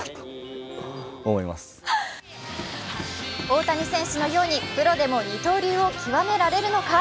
大谷選手のようにプロでも二刀流を極められるのか。